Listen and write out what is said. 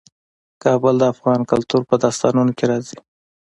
کابل د افغان کلتور په داستانونو کې راځي.